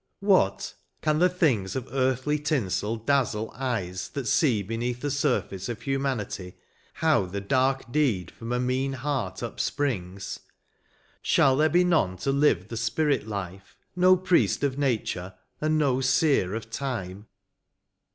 What ! can the things Of earthly tinsel dazzle eyes that see Beneath the surface of humanity. How the dark deed^ from a mean heart upsprings ? Shall there he none to live the spirit life, No priest of nature, and no seer of time